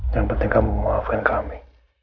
yang penting kamu maafkan kami